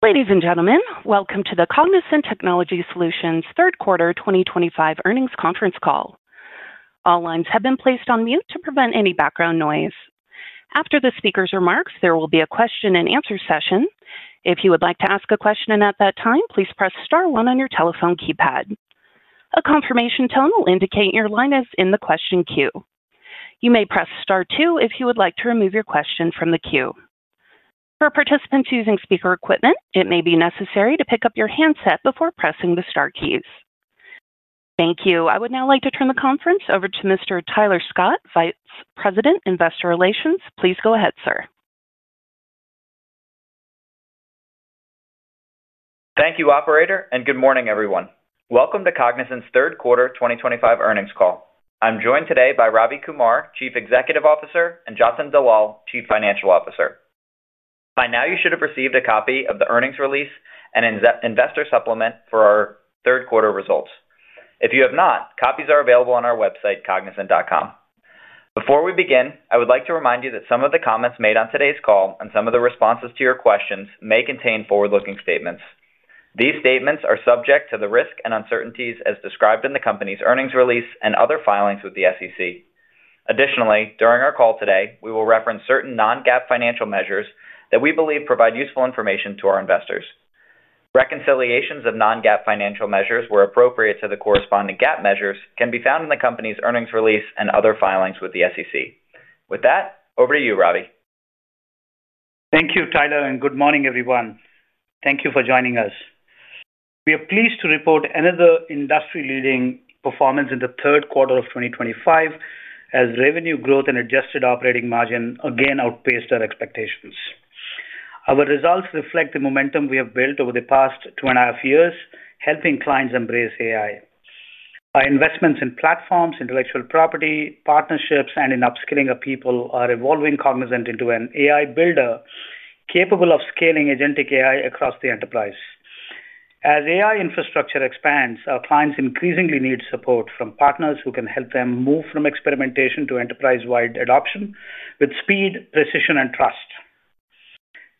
Ladies and gentlemen, welcome to the Cognizant Technology Solutions third quarter 2025 earnings conference call. All lines have been placed on mute to prevent any background noise. After the speaker's remarks, there will be a question and answer session. If you would like to ask a question at that time, please press *1 on your telephone keypad. A confirmation tone will indicate your line is in the question queue. You may press star 2 if you would like to remove your question from the queue. For participants using speaker equipment, it may be necessary to pick up your handset before pressing the star keys. Thank you. I would now like to turn the conference over to Mr. Tyler Scott, Vice President, Investor Relations. Please go ahead, sir. Thank you, Operator, and good morning, everyone. Welcome to Cognizant Technology Solutions' third quarter 2025 earnings call. I'm joined today by Ravi Kumar, Chief Executive Officer, and Jatin Dalal, Chief Financial Officer. By now, you should have received a copy of the earnings release and investor supplement for our third quarter results. If you have not, copies are available on our website, cognizant.com. Before we begin, I would like to remind you that some of the comments made on today's call and some of the responses to your questions may contain forward-looking statements. These statements are subject to the risks and uncertainties as described in the company's earnings release and other filings with the SEC. Additionally, during our call today, we will reference certain non-GAAP financial measures that we believe provide useful information to our investors. Reconciliations of non-GAAP financial measures, where appropriate, to the corresponding GAAP measures can be found in the company's earnings release and other filings with the SEC. With that, over to you, Ravi. Thank you, Tyler, and good morning, everyone. Thank you for joining us. We are pleased to report another industry-leading performance in the third quarter of 2025 as revenue growth and adjusted operating margin again outpaced our expectations. Our results reflect the momentum we have built over the past two and a half years helping clients embrace AI. Our investments in platforms, intellectual property, partnerships, and in upskilling of people are evolving Cognizant Technology Solutions into an AI builder capable of scaling agentic AI across the enterprise. As AI infrastructure expands, our clients increasingly need support from partners who can help them move from experimentation to enterprise-wide adoption with speed, precision, and trust.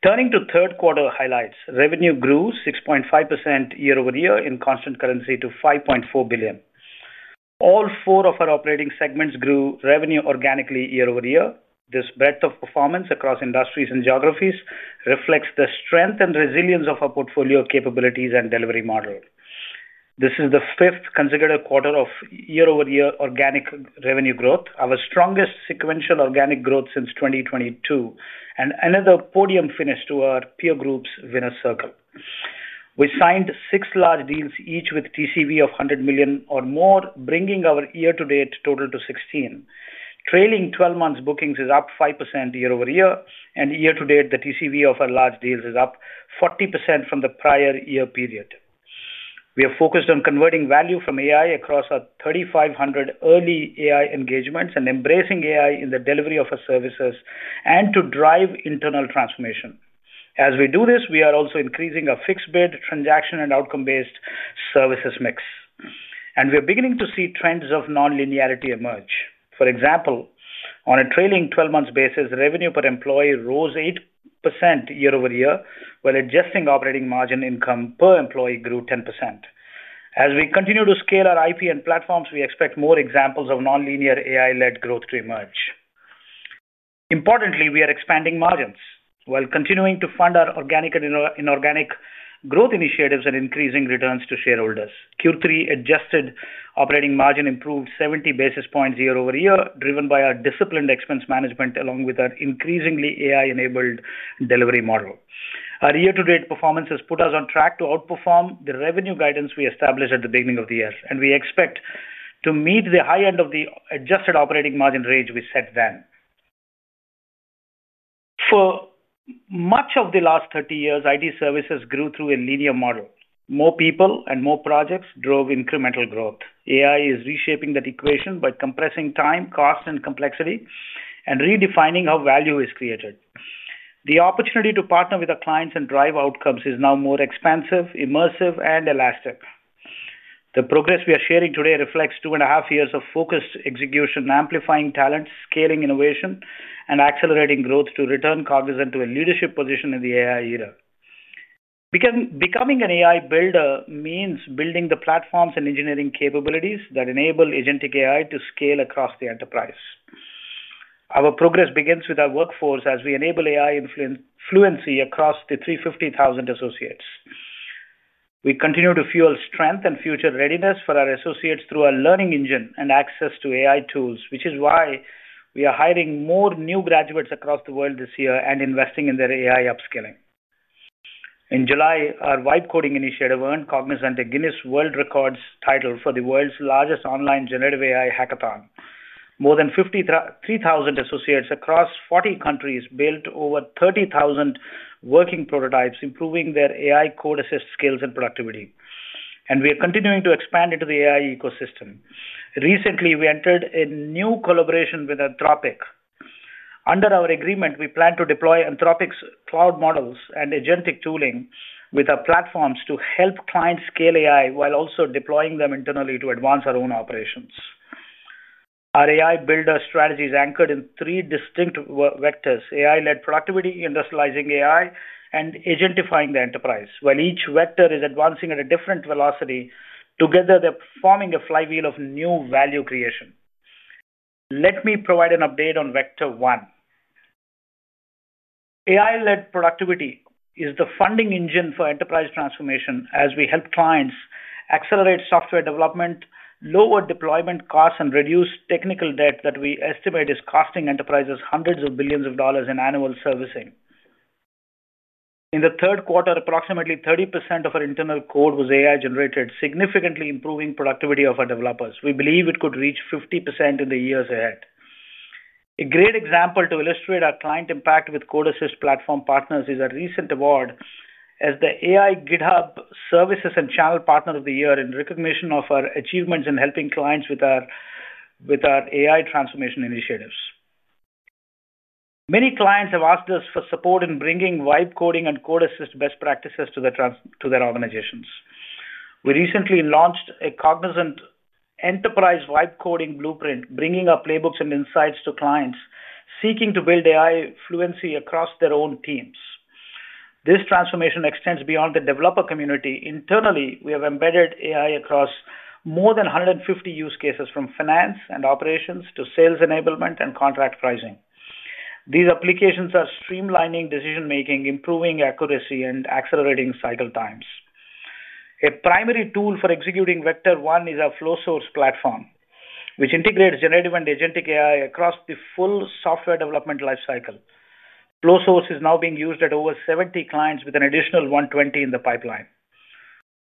Turning to third quarter highlights, revenue grew 6.5% year over year in constant currency to $5.4 billion. All four of our operating segments grew revenue organically year over year. This breadth of performance across industries and geographies reflects the strength and resilience of our portfolio capabilities and delivery model. This is the fifth consecutive quarter of year-over-year organic revenue growth, our strongest sequential organic growth since 2022, and another podium finish to the peer group's winner circle. We signed six large deals, each with TCV of $100 million or more, bringing our year-to-date total to 16. Trailing 12 months bookings is up 5% year over year, and year to date the TCV of our large deals is up 40% from the prior year period. We are focused on converting value from AI across our 3,500 early AI engagements and embracing AI in the delivery of our services and to drive internal transformation. As we do this, we are also increasing our fixed bid, transaction, and outcome-based services mix, and we are beginning to see trends of nonlinearity emerge. For example, on a trailing twelve months basis, revenue per employee rose 8% year over year while adjusted operating margin income per employee grew 10%. As we continue to scale our IP and platforms, we expect more examples of nonlinear AI-led growth to emerge. Importantly, we are expanding margins while continuing to fund our organic and inorganic growth initiatives and increasing returns to shareholders. Q3 adjusted operating margin improved 70 basis points year over year, driven by our disciplined expense management along with our increasingly AI-enabled delivery model. Our year to date performance has put us on track to outperform the revenue guidance we established at the beginning of the year, and we expect to meet the high end of the adjusted operating margin range we set then. For much of the last 30 years, IT services grew through a linear model. More people and more projects drove incremental growth. AI is reshaping that equation by compressing time, cost, and complexity, and redefining how value is created. The opportunity to partner with our clients and drive outcomes is now more expansive, immersive, and elastic. The progress we are sharing today reflects two and a half years of focused execution, amplifying talent, scaling innovation, and accelerating growth to return Cognizant Technology Solutions to a leadership position in the AI era. Becoming an AI builder means building the platforms and engineering capabilities that enable agentic AI to scale across the enterprise. Our progress begins with our workforce as we enable AI fluency across the 350,000 associates. We continue to fuel strength and future readiness for our associates through our learning engine and access to AI tools, which is why we are hiring more new graduates across the world this year and investing in their AI upskilling. In July, our WIPE Coding initiative earned Cognizant Technology Solutions a Guinness World Records title for the world's largest online generative AI hackathon. More than 53,000 associates across 40 countries built over 30,000 working prototypes, improving their AI code assist skills and productivity, and we are continuing to expand into the AI ecosystem. Recently, we entered a new collaboration with Anthropic. Under our agreement, we plan to deploy Anthropic's cloud models and agentic tooling with our platforms to help clients scale AI while also deploying them internally to advance our own operations. Our AI builder strategy is anchored in three distinct vectors: AI-led productivity, industrializing AI, and agentifying the enterprise. While each vector is advancing at a different velocity, together they're forming a flywheel of new value creation. Let me provide an update on Vector 1. AI-led productivity is the funding engine for enterprise transformation as we help clients accelerate software development, lower deployment costs, and reduce technical debt that we estimate is costing enterprises hundreds of billions of dollars in annual servicing. In the third quarter, approximately 30% of our internal code was AI generated, significantly improving productivity of our develop. We believe it could reach 50% in the years ahead. A great example to illustrate our client impact with Code Assist platform partners is our recent award as the AI GitHub Services and Channel Partner of the Year in recognition of our achievements in helping clients with our AI transformation initiatives. Many clients have asked us for support in bringing WIPE Coding and Code Assist best practices to their organizations. We recently launched a Cognizant enterprise WIPE Coding Blueprint, bringing our playbooks and insights to clients seeking to build AI fluency across their own teams. This transformation extends beyond the developer community. Internally, we have embedded AI across more than 150 use cases, from finance and operations to sales enablement and contract pricing. These applications are streamlining decision making, improving accuracy, and accelerating cycle times. A primary tool for executing Vector 1 is our FlowSource platform, which integrates generative and agentic AI across the full software development lifecycle. FlowSource is now being used at over 70 clients with an additional 120 in the pipeline.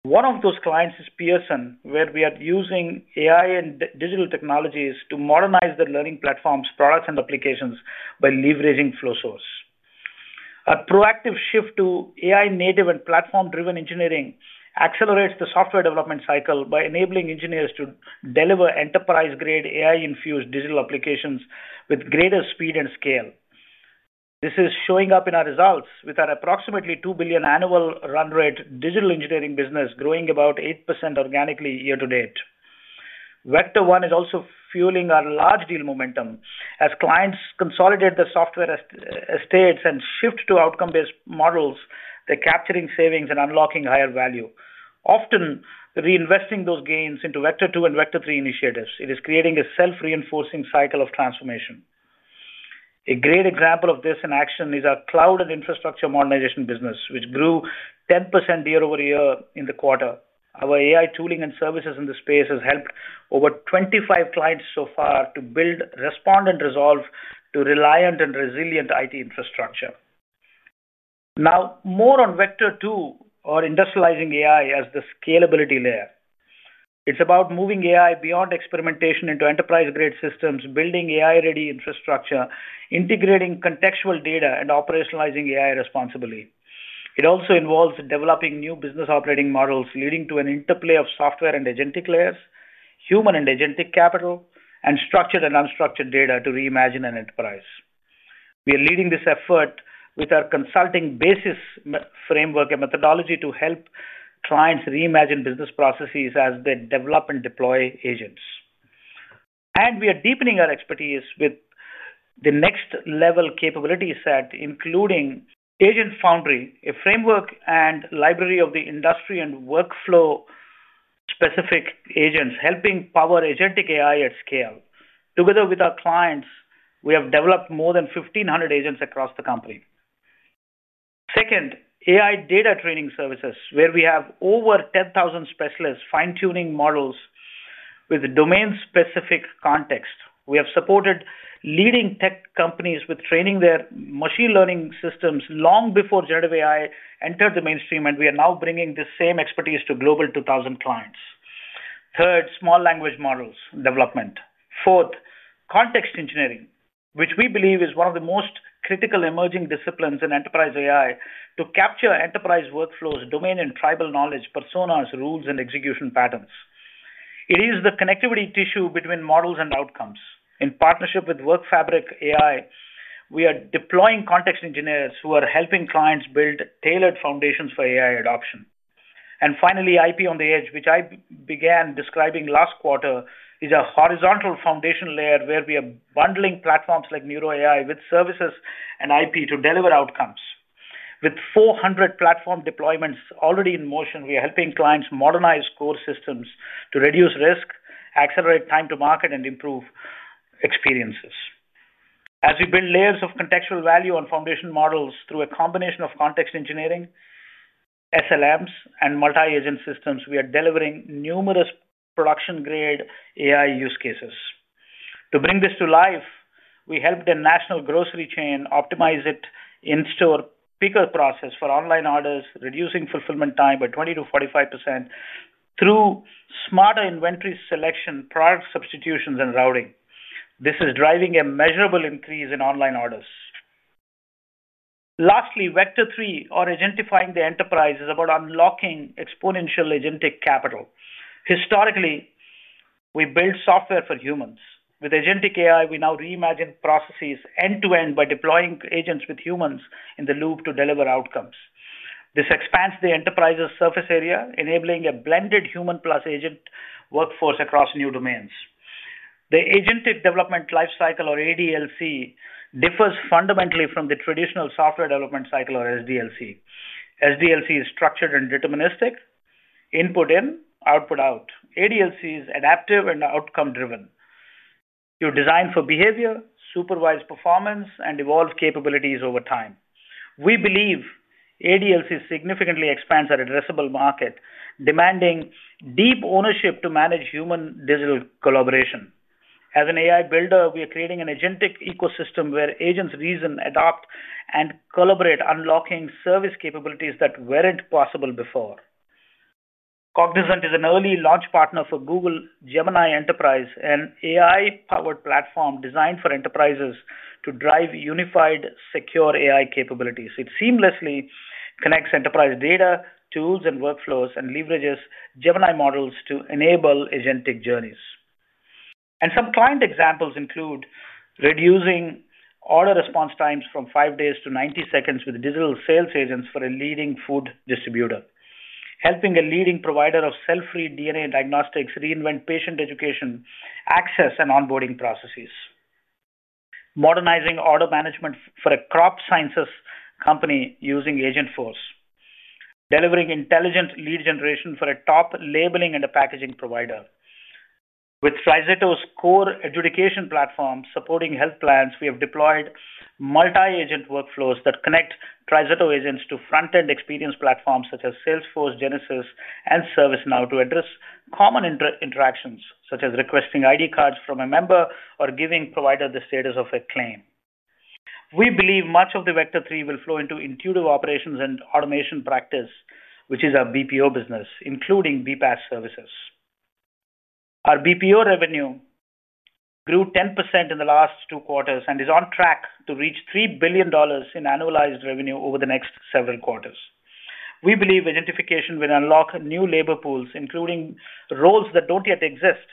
One of those clients is Pearson where we are using AI and digital technologies to modernize the learning platforms, products, and applications by leveraging FlowSource. A proactive shift to AI native and platform driven engineering accelerates the software development cycle by enabling engineers to deliver enterprise grade AI infused digital applications with greater speed and scale. This is showing up in our results. With our approximately $2 billion annual run rate digital engineering business growing about 8% organically year to date, Vector 1 is also fueling our large deal momentum. As clients consolidate the software estates and shift to outcome based models, they're capturing savings and unlocking higher value, often reinvesting those gains into Vector 2 and Vector 3 initiatives. It is creating a self reinforcing cycle of transformation. A great example of this in action is our cloud and infrastructure modernization business which grew 10% year over year in the quarter. Our AI tooling and services in the space has helped over 25 clients so far to build, respond, and resolve to reliant and resilient IT infrastructure. Now more on Vector 2 or industrializing AI as the scalability layer. It's about moving AI beyond experimentation into enterprise-grade systems, building AI-ready infrastructure, integrating contextual data, and operationalizing AI responsibly. It also involves developing new business operating models, leading to an interplay of software and agentic layers, human and agentic capital, and structured and unstructured data to reimagine an enterprise. We are leading this effort with our consulting basis, framework, and methodology to help clients reimagine business processes as they develop and deploy agents, and we are deepening our expertise with the next-level capability set, including Agent Foundry, a framework and library of the industry and workflow-specific agents helping power agentic AI at scale. Together with our clients, we have developed more than 1,500 agents across the company. Second, AI data training services, where we have over 10,000 specialists fine-tuning models with domain-specific context. We have supported leading tech companies with training their machine learning systems long before generative AI entered the mainstream, and we are now bringing the same expertise to Global 2000 clients. Third, small language models development. Fourth, context engineering, which we believe is one of the most critical emerging disciplines in enterprise AI to capture enterprise workflows, domain and tribal knowledge, personas, rules, and execution patterns. It is the connectivity tissue between models and outcomes. In partnership with WorkFabric AI, we are deploying context engineers who are helping clients build tailored foundations for AI adoption. Finally, IP on the Edge, which I began describing last quarter, is a horizontal foundation layer where we are bundling platforms like Neuro-AI with services and IP to deliver outcomes. With 400 platform deployments already in motion, we are helping clients modernize core systems to reduce risk, accelerate time to market, and improve experiences as we build layers of contextual value on foundation models through a combination of context engineering, SLMs, and multi-agent systems. We are delivering numerous production-grade AI use cases to bring this to life. We helped a national grocery chain optimize IT in-store picker process for online orders, reducing fulfillment time by 20%-45% through smarter inventory selection, product substitutions, and routing. This is driving a measurable increase in online orders. Lastly, Vector 3, or identifying the enterprise, is about unlocking exponential agentic capital. Historically, we built software for humans. With agentic AI, we now reimagine processes end to end by deploying agents with humans in the loop to deliver outcomes. This expands the enterprise's surface area, enabling a blended human plus agent workforce across new domains. The agentic development lifecycle, or ADLC, differs fundamentally from the traditional software development cycle, or SDLC. SDLC is structured and deterministic: input in, output out. ADLC is adaptive and outcome driven. You design for behavior, supervise performance, and evolve capabilities over time. We believe ADLC significantly expands our addressable market, demanding deep ownership to manage human-digital collaboration. As an AI builder, we are creating an agentic ecosystem where agents reason, adapt, and collaborate, unlocking service capabilities that weren't possible before. Cognizant Technology Solutions is an early launch partner for Google Gemini Enterprise, an AI-powered platform designed for enterprises to drive unified, secure AI capabilities. It seamlessly connects enterprise data, tools, and workflows and leverages Gemini models to enable agentic journeys. Some client examples include reducing order response times from five days to 90 seconds with digital sales agents for a leading food distributor, helping a leading provider of cell-free DNA diagnostics reinvent patient education, access, and onboarding processes, and modernizing order management for a crop sciences company using agentforce. We are delivering intelligent lead generation for a top labeling and packaging provider. With TriZetto's core adjudication platform supporting health plans, we have deployed multi-agent workflows that connect TriZetto agents to front-end experience platforms such as Salesforce, Genesys, and ServiceNow to address common interactions such as requesting ID cards from a member or giving a provider the status of a claim. We believe much of Vector 3 will flow into intuitive operations and automation practice, which is our BPO business, including BPaaS services. Our BPO revenue grew 10% in the last two quarters and is on track to reach $3 billion in annualized revenue over the next several quarters. We believe identification will unlock new labor pools, including roles that don't yet exist.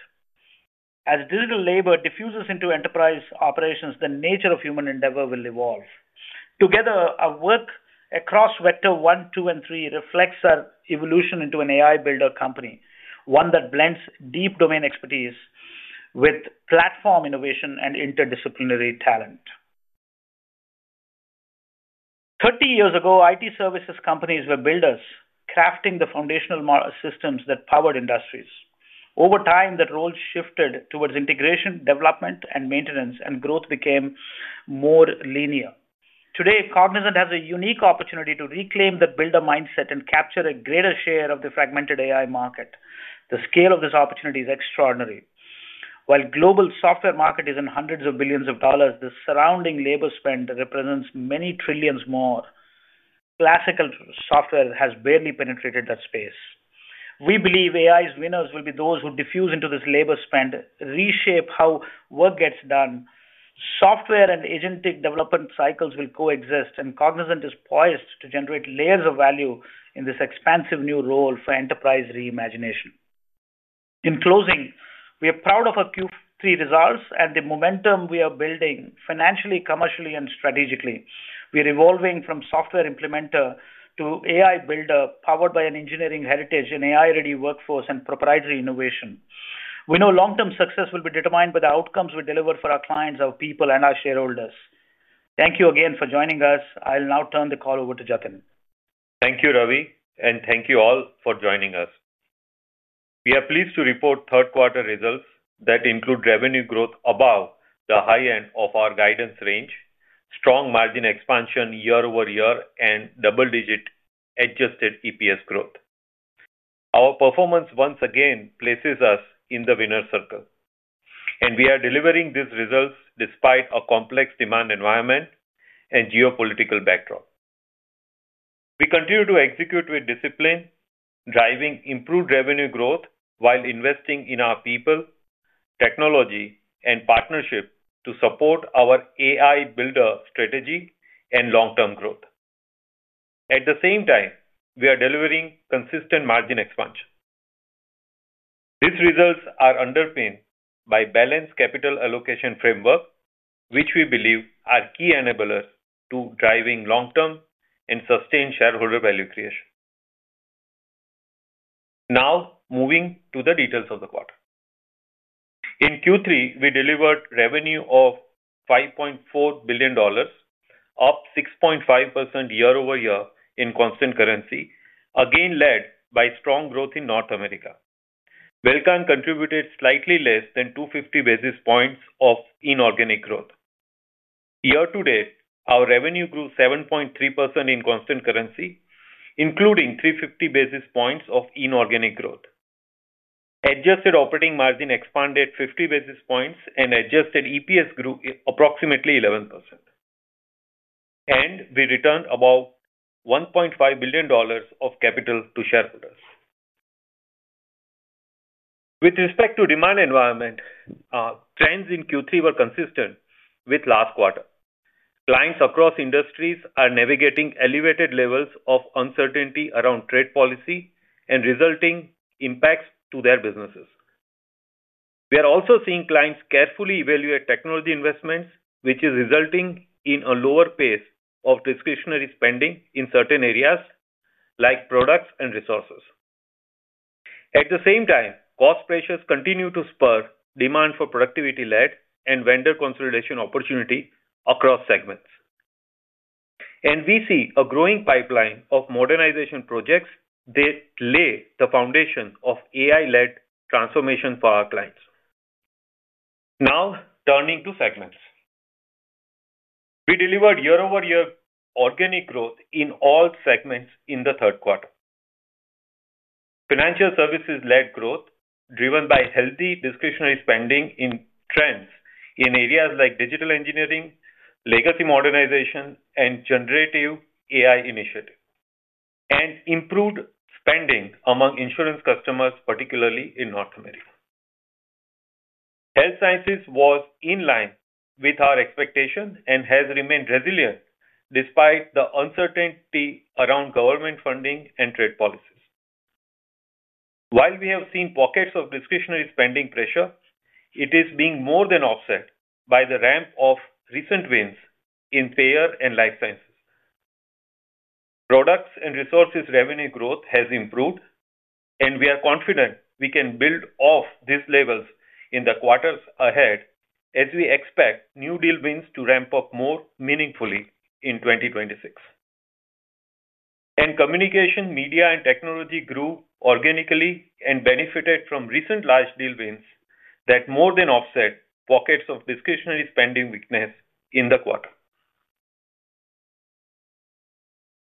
As digital labor diffuses into enterprise operations, the nature of human endeavor will evolve together. Our work across Vector 1, 2 and 3 reflects our evolution into an AI builder company, one that blends deep domain expertise with platform innovation and interdisciplinary talent. Thirty years ago, IT services companies were builders crafting the foundational systems that powered industries. Over time, that role shifted towards integration, development and maintenance, and growth became more linear. Today, Cognizant Technology Solutions has a unique opportunity to reclaim the builder mindset and capture a greater share of the fragmented AI market. The scale of this opportunity is extraordinary. While the global software market is in hundreds of billions of dollars, the surrounding labor spend represents many trillions more. Classical software has barely penetrated that space. We believe AI's winners will be those who diffuse into this labor spend, reshape how work gets done, software and agentic development cycles will coexist, and Cognizant Technology Solutions is poised to generate layers of value in this expansive new role for enterprise reimagination. In closing, we are proud of our Q3 results and the momentum we are building financially, commercially and strategically. We are evolving from software implementer to AI builder, powered by an engineering heritage, an AI ready workforce and proprietary innovation. We know long term success will be determined by the outcomes we deliver for our clients, our people and our shareholders. Thank you again for joining us. I'll now turn the call over to Jatin. Thank you, Ravi, and thank you all for joining us. We are pleased to report third quarter results that include revenue growth above the high end of our guidance range, strong margin expansion year over year, and double-digit adjusted EPS growth. Our performance once again places us in the winner's circle, and we are delivering these results despite a complex demand environment and geopolitical backdrop. We continue to execute with discipline, driving improved revenue growth while investing in our people, technology, and partnership to support our AI builder strategy and long-term growth. At the same time, we are delivering consistent margin expansion. These results are underpinned by a balanced capital allocation framework, which we believe are key enablers to driving long-term and sustained shareholder value creation. Now, moving to the details of the quarter. In Q3, we delivered revenue of $5.4 billion, up 6.5% year over year in constant currency, again led by strong growth in North America. Belcan contributed slightly less than 250 basis points of inorganic growth. Year to date, our revenue grew 7.3% in constant currency, including 350 basis points of inorganic growth. Adjusted operating margin expanded 50 basis points, and adjusted EPS grew approximately 11%, and we returned about $1.5 billion of capital to shareholders. With respect to the demand environment, trends in Q3 were consistent with last quarter. Clients across industries are navigating elevated levels of uncertainty around trade policy and resulting impacts to their businesses. We are also seeing clients carefully evaluate technology investments, which is resulting in a lower pace of discretionary spending in certain areas like products and resources. At the same time, cost pressures continue to spur demand for productivity-led and vendor consolidation opportunity across segments, and we see a growing pipeline of modernization projects that lay the foundation of AI-led transformation for our clients. Now turning to segments, we delivered year over year organic growth in all segments in the third quarter. Financial services led growth, driven by healthy discretionary spending trends in areas like digital engineering, legacy modernization, and generative AI initiatives, and improved spending among insurance customers, particularly in North America. Health Sciences was in line with our expectations and has remained resilient despite the uncertainty around government funding and trade policies. While we have seen pockets of discretionary spending pressure, it is being more than offset by the ramp of recent wins in payer and life sciences products and resources. Revenue growth has improved, and we are confident we can build off these levels in the quarters ahead as we expect new deal wins to ramp up more meaningfully in 2026. Communication, media, and technology grew organically and benefited from recent large deal wins that more than offset pockets of discretionary spending. Weakness in the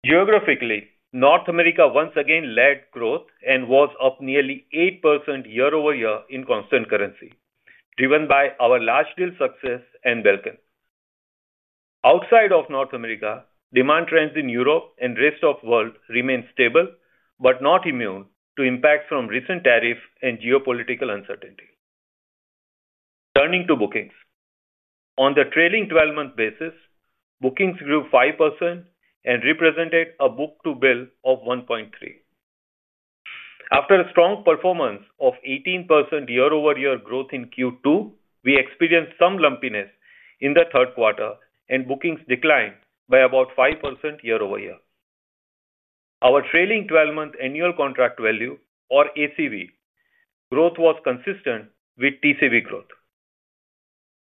geographically North America once again led growth and was up nearly 8% year over year in constant currency, driven by our large deal success and Belcan. Outside of North America, demand trends in Europe and rest of world remain stable but not immune to impact from recent tariffs and geopolitical uncertainty. Turning to bookings, on the trailing twelve month basis, bookings grew 5% and represented a Book to Bill of 1.3. After a strong performance of 18% year over year growth in Q2, we experienced some lumpiness in the third quarter, and bookings declined by about 5% year over year. Our trailing twelve month annual contract value, or ACV, growth was consistent with TCV growth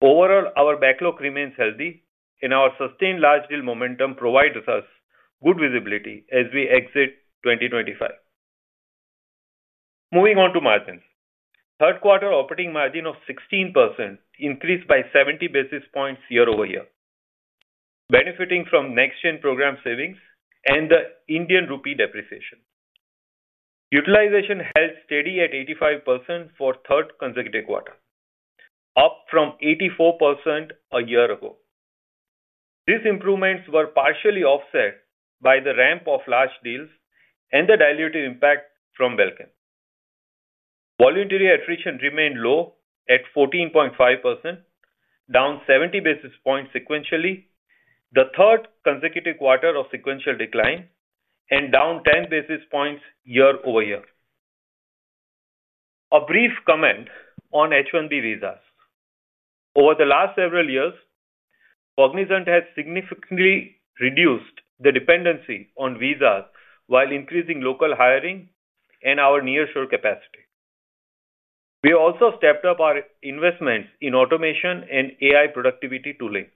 overall. Our backlog remains healthy, and our sustained large deal momentum provides us good visibility as we exit 2025. Moving on to margins, third quarter operating margin of 16% increased by 70 basis points year over year, benefiting from next gen program savings and the Indian rupee depreciation. Utilization held steady at 85% for the third consecutive quarter, up from 84% a year ago. These improvements were partially offset by the ramp of large deals and the dilutive impact from Belcan. Voluntary attrition remained low at 14.5%, down 70 basis points sequentially, the third consecutive quarter of sequential decline, and down 10 basis points year over year. A brief comment on H-1B visas: over the last several years, Cognizant Technology Solutions has significantly reduced the dependency on visas while increasing local hiring and our nearshore capacity. We also stepped up our investments in automation and AI productivity tooling.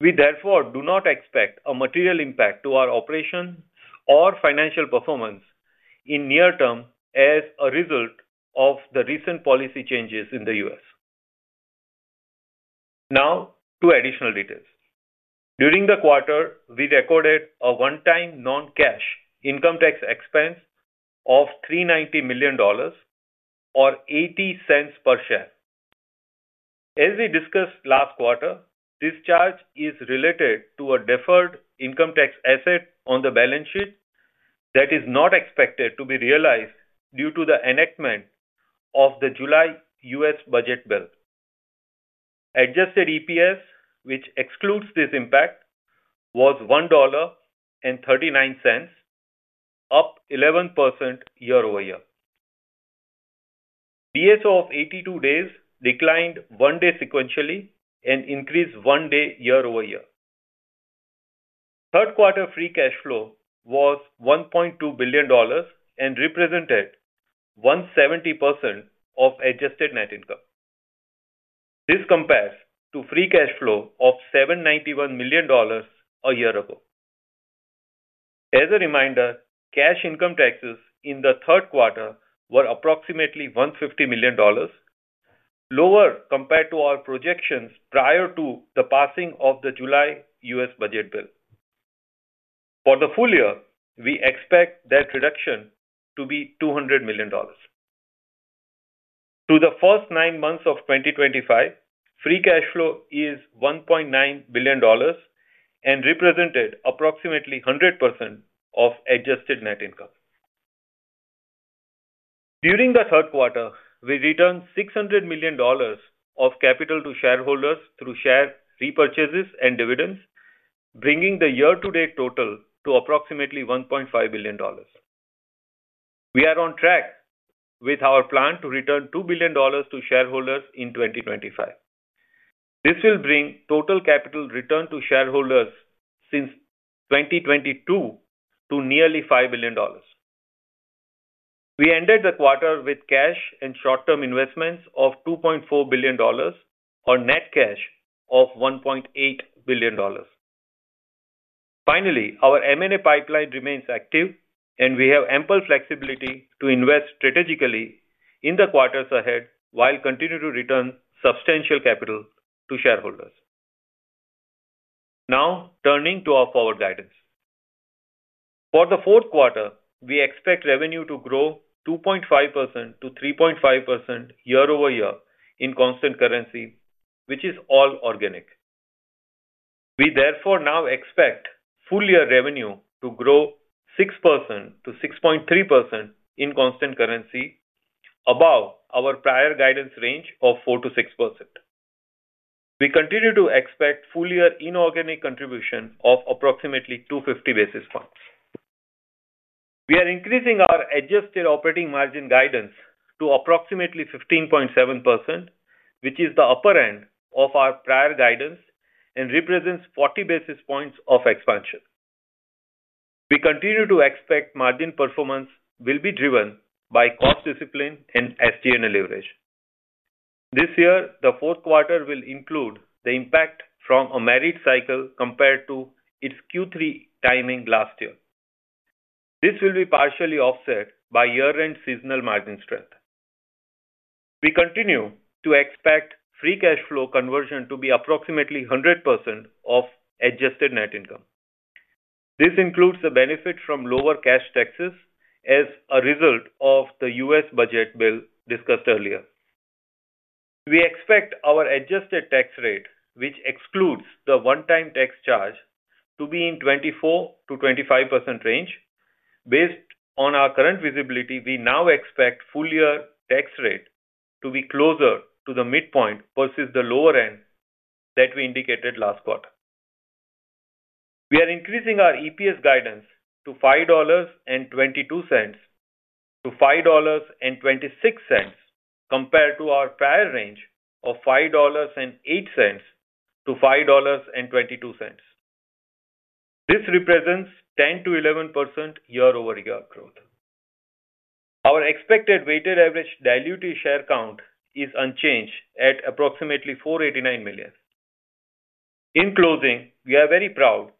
We therefore do not expect a material impact to our operation or financial performance in the near term as a result of the recent policy changes in the U.S. Now to additional details. During the quarter, we recorded a one-time non-cash income tax expense of $390 million, or $0.80 per share, as we discussed last quarter. This charge is related to a deferred income tax asset on the balance sheet that is not expected to be realized due to the enactment of the July U.S. budget bill. Adjusted EPS, which excludes this impact, was $1.39, up 11% year over year. DSO of 82 days declined one day sequentially and increased one day year over year. Third quarter free cash flow was $1.2 billion and represented 170% of adjusted net income. This compares to free cash flow of $791 million a year ago. As a reminder, cash income taxes in the third quarter were approximately $150 million lower compared to our projections prior to the passing of the July U.S. budget bill. For the full year, we expect that reduction to be $200 million through the first nine months of 2025. Free cash flow is $1.9 billion and represented approximately 100% of adjusted net income. During the third quarter, we returned $600 million of capital to shareholders through share repurchases and dividends, bringing the year-to-date total to approximately $1.5 billion. We are on track with our plan to return $2 billion to shareholders in 2025. This will bring total capital returned to shareholders since 2022 to nearly $5 billion. We ended the quarter with cash and short-term investments of $2.4 billion or net cash of $1.8 billion. Finally, our M&A pipeline remains active and we have ample flexibility to invest strategically in the quarters ahead while continuing to return substantial capital to shareholders. Now turning to our forward guidance for the fourth quarter, we expect revenue to grow 2.5%-3.5% year over year in constant currency, which is all organic. We therefore now expect full year revenue to grow 6%-6.3% in constant currency, above our prior guidance range of 4%-6%. We continue to expect full year inorganic contribution of approximately 250 basis points. We are increasing our adjusted operating margin guidance to approximately 15.7%, which is the upper end of our prior guidance and represents 40 basis points of expansion. We continue to expect margin performance will be driven by cost discipline and SG&A leverage this year. The fourth quarter will include the impact from a merit cycle compared to its Q3 timing last year. This will be partially offset by year-end seasonal margin strength. We continue to expect free cash flow conversion to be approximately 100% of adjusted net income. This includes the benefit from lower cash taxes as a result of the U.S. budget bill discussed earlier. We expect our adjusted tax rate, which excludes the one-time tax charge, to be in the 24%-25% range. Based on our current visibility, we now expect full year tax rate to be closer to the midpoint versus the lower end that we indicated last quarter. We are increasing our EPS guidance to $5.22-$5.26 compared to our prior range of $5.08-$5.22. This represents 10%-11% year over year growth. Our expected weighted average diluted share count is unchanged at approximately 489 million. In closing, we are very proud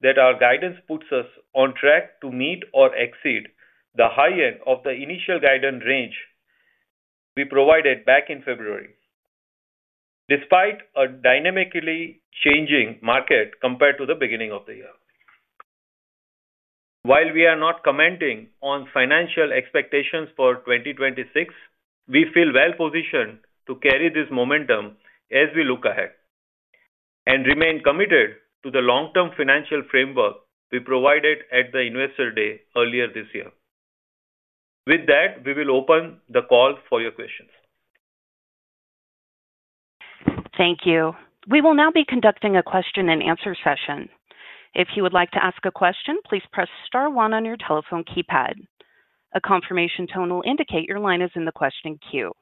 that our guidance puts us on track to meet or exceed the high end of the initial guidance range we provided back in February, despite a dynamically changing market compared to the beginning of the year. While we are not commenting on financial expectations for 2026, we feel well positioned to carry this momentum as we look ahead and remain committed to the long-term financial framework we provided at the Investor Day earlier this year. With that, we will open the call for your questions. Thank you. We will now be conducting a question and answer session. If you would like to ask a question, please press *1 on your telephone keypad. A confirmation tone will indicate your line is in the question queue.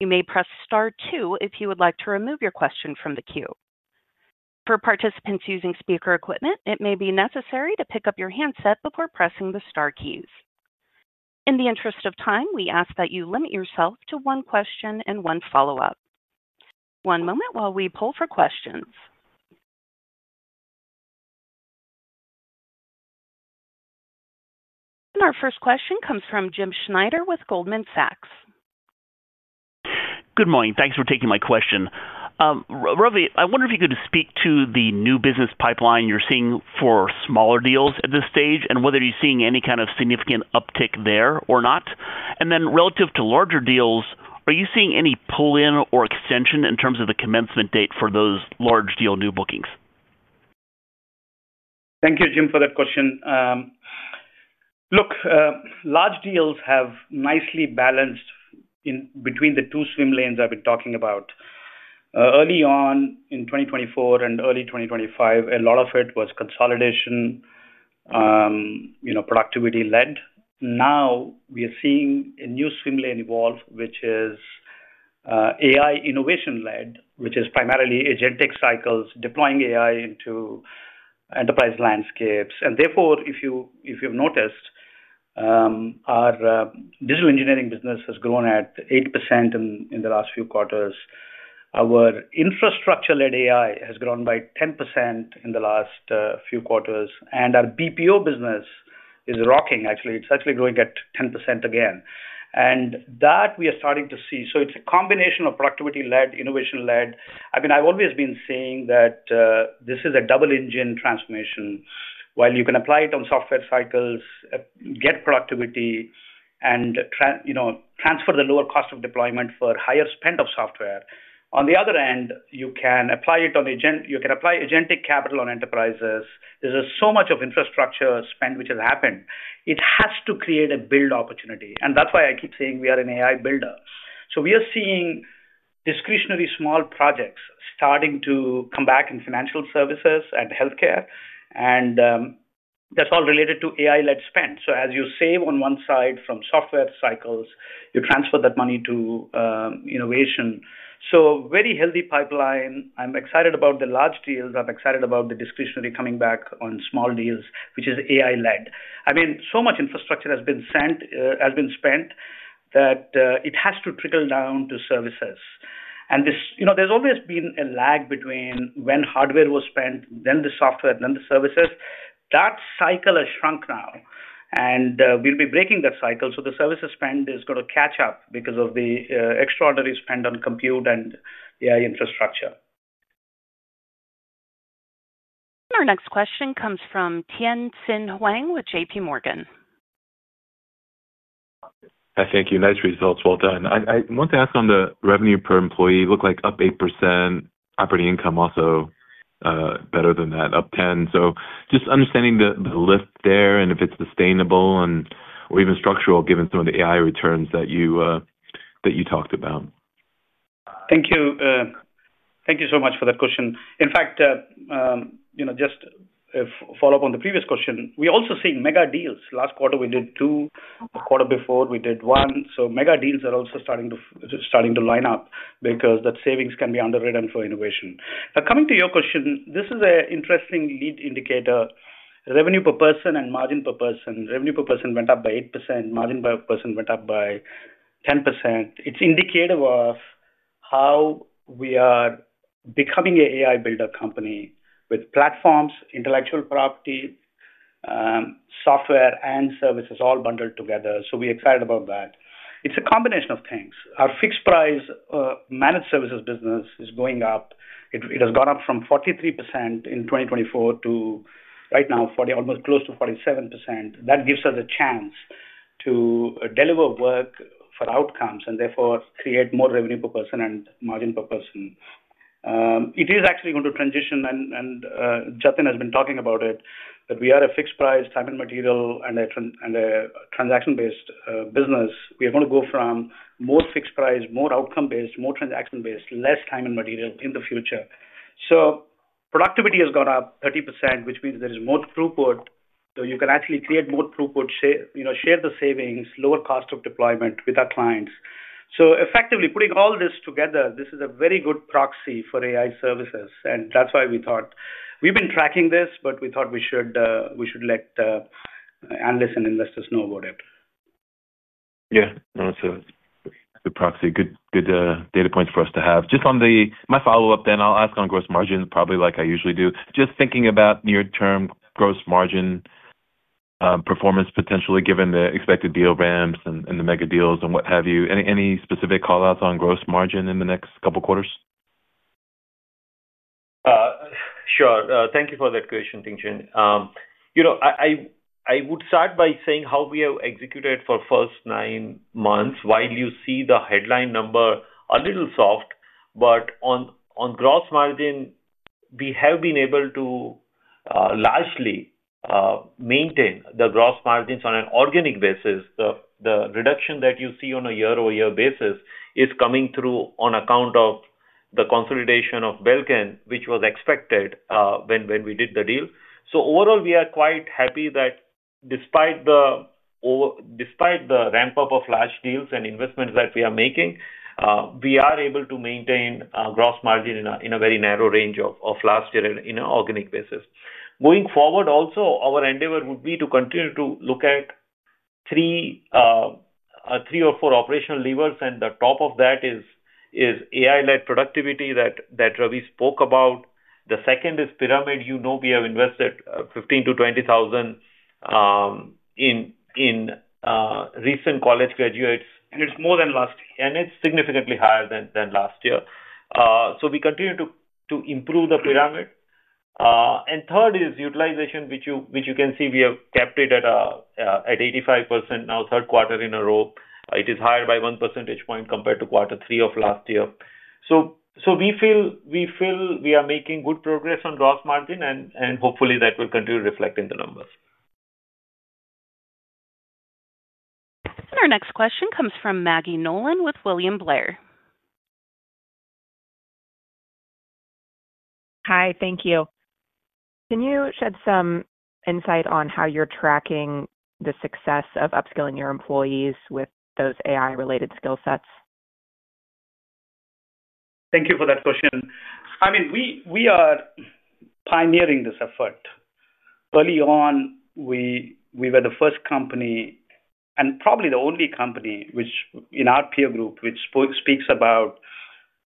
You may press *2 if you would like to remove your question from the queue. For participants using speaker equipment, it may be necessary to pick up your handset before pressing the star keys. In the interest of time, we ask that you limit yourself to one question and one follow up. One moment while we poll for questions. Our first question comes from Jim Schneider with Goldman Sachs. Good morning. Thanks for taking my question. Ravi, I wonder if you could speak to the new business pipeline you're seeing for smaller deals at this stage and whether you're seeing any kind of significant uptick there or not. Relative to larger deals, are you seeing any pull in or extension in terms of the commencement date for those large deal new bookings? Thank you, Jim, for that question. Large deals have nicely balanced in between the two swim lanes I've been talking about. Early on in 2024 and early 2025, a lot of it was consolidation, productivity led. Now we are seeing a new swim lane evolve, which is AI innovation led, which is primarily agentic cycles deploying AI into enterprise landscapes. If you've noticed, our digital engineering business has grown at 8% in the last few quarters. Our infrastructure led AI has grown by 10% in the last few quarters, and our BPO business is rocking. It's actually growing at 10% again that we are starting to see, so it's a combination of productivity led innovation. I've always been saying that this is a double engine transformation. While you can apply it on software cycles, get productivity, and transfer the lower cost of deployment for higher spend of software on the other end, you can apply agentic capital on enterprises. There's so much of infrastructure spend which has happened. It has to create a build opportunity. That's why I keep saying we are an AI builder. We are seeing discretionary small projects. Starting to come back in financial services and healthcare, and that's all related to AI-led spend. As you save on one side from software cycles, you transfer that money to innovation. Very healthy pipeline. I'm excited about the large deals, I'm excited about the discretionary coming back on small deals, which is AI-led. So much infrastructure has been spent that it has to trickle down to services, and there's always been a lag between when hardware was spent, then the software, then the services. That cycle has shrunk now, and we'll be breaking that cycle. The services spend is going to catch up because of the extraordinary spend on compute and AI infrastructure. Our next question comes from Tianxian Huang with J.P. Morgan. Thank you. Nice results, well done. I want to ask on the revenue per employee, looks like up 8%, operating income also better than that, up 10%. Just understanding the lift there and if it's sustainable or even structural given some of the AI returns that you talked about. Thank you, thank you so much for that question. In fact, just to follow up on the previous question, we also see mega deals. Last quarter we did two, the quarter before we did one. Mega deals are also starting to line up because that savings can be underwritten for innovation. Coming to your question, this is an interesting lead indicator: revenue per person and margin per person. Revenue per person went up by 8%, margin per person went up by 10%. It's indicative of how we are becoming an AI builder company with platforms, intellectual property, software, and services all bundled together. We're excited about that. It's a combination of things. Our fixed price managed services business is going up. It has gone up from 43% in 2024 to right now, almost close to 47%. That gives us a chance to deliver work for outcomes and therefore create more revenue per person and margin per person. It is actually going to transition, and Jatin has been talking about it, that we are a fixed price, time and material, and a transaction-based business. We are going to go from more fixed price, more outcome-based, more transaction-based, less time and material in the future. Productivity has gone up 30%, which means there is more throughput. You can actually create more throughput, share the savings, lower cost of deployment with our clients. Effectively, putting all this together, this is a very good proxy for AI services, and that's why we thought we've been tracking this, but we thought we should let analysts and investors know about it. Yeah, the proxy, good data points for us to have. Just on my follow up, then I'll ask on gross margin, probably like I usually do. Just thinking about near term gross margin performance, potentially given the expected deal ramps and the mega deals and what have you, any specific call outs on gross margin next couple quarters? Sure. Thank you for that question. I would start by saying how we have executed for the first nine months. While you see the headline number a little soft, on gross margin we have been able to largely maintain the gross margins on an organic basis. The reduction that you see on a year-over-year basis is coming through on account of the consolidation of Belcan, which was expected when we did the deal. Overall, we are quite happy that despite the ramp up of large deals and investments that we are making, we are able to maintain gross margin in a very narrow range of last year on an organic basis going forward. Also, our endeavor would be to continue to look at three or four operational levers, and the top of that is AI-led productivity that Ravi spoke about. The second is pyramid. We have invested 15,000-20,000 in recent college graduates, and it's more than last and it's significantly higher than last year. We continue to improve the pyramid. Third is utilization, which you can see we have kept at 85%. Now, third quarter in a row, it is higher by 1 percentage point compared to quarter three of last year. We feel we are making good progress on gross margin and hopefully that will continue reflecting in the numbers. Our next question comes from Maggie Nolan with William Blair. Hi, thank you. Can you shed some insight on how you're tracking the success of upskilling your employees with those AI-related skill sets? Thank you for that question. I mean we are pioneering this effort early on. We were the first company and probably the only company in our peer group which speaks about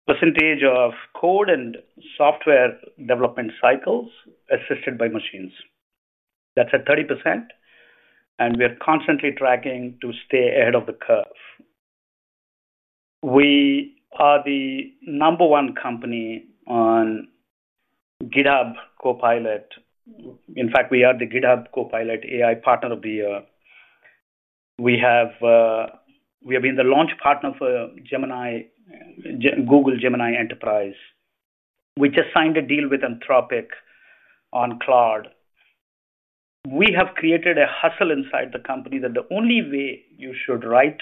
percentage of code and software development cycles assisted by machines, that's at 30% and we are constantly tracking to stay ahead of the curve. We are the number one company on GitHub Copilot. In fact, we are the GitHub Copilot AI Partner of the Year. We have been the launch partner for Google Gemini Enterprise. We just signed a deal with Anthropic on cloud. We have created a hustle inside the company. Company that the only way you should write